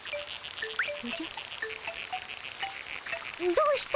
どうした？